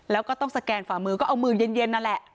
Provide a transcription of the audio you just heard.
แล้วก็ต้องสแกนฝ่ามือก็เอามือเย็นนั่นแหละ